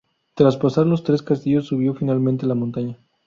Tras pasar los tres castillos subió finalmente la montaña.